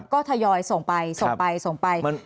ก็ทยอยส่งไปส่งไปส่งไป